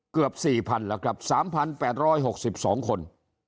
เกือบ๔๐๐๐แล้วครับ๓๘๖๒คน